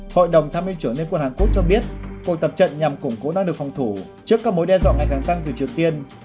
hội đồng tham minh chủ nghĩa quân hàn quốc cho biết cuộc tập trận nhằm củng cố năng lực phòng thủ trước các mối đe dọa ngày càng tăng từ triều tiên